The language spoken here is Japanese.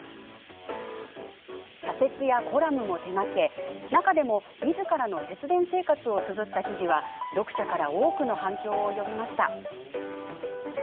社説やコラムも手がけ中でも、みずからの節電生活をつづった記事は読者から多くの反響を呼びました。